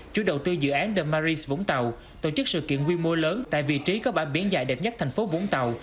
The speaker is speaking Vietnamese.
chuỗi đầu tư dự án the maris vũng tàu tổ chức sự kiện quy mô lớn tại vị trí có bã biển dạy đẹp nhất thành phố vũng tàu